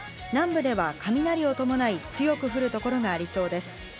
南部では雷を伴い強く降る所がありそうです。